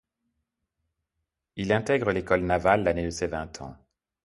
Il intègre l'École navale l'année de ses vingt ans.